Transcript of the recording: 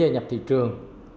nhập thị trường